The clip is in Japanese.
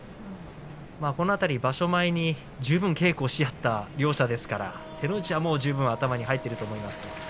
この辺りは場所前に十分に稽古し合った両者ですから手の内は十分に頭に入っていると思います。